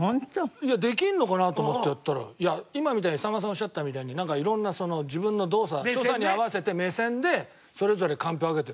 いやできんのかな？と思ってやったら今みたいにさんまさんおっしゃったみたいになんか色んな自分の動作所作に合わせて目線でそれぞれカンペ分けて。